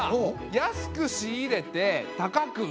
安く仕入れて高く売る！